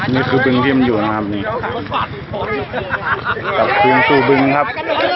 นี่คือเบื้องเที่ยมอยู่นะครับนี่กับเบื้องซูเบื้องครับ